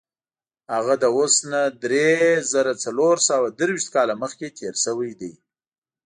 هغه له اوس نه دری زره څلور سوه درویشت کاله مخکې تېر شوی دی.